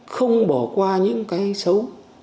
không bỏ qua những cái xấu